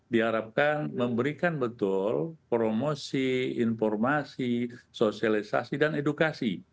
diharapkan memberikan betul promosi informasi sosialisasi dan edukasi